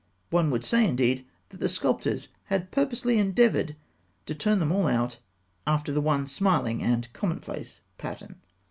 One would say, indeed, that the sculptors had purposely endeavoured to turn them all out after the one smiling and commonplace pattern.